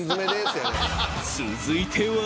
［続いては］